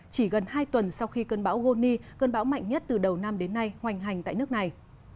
cơn bão goni cơn bão mạnh nhất từ đầu năm đến nay hoành hành tại nước này